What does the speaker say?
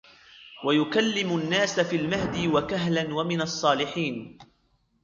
ويكلم الناس في المهد وكهلا ومن الصالحين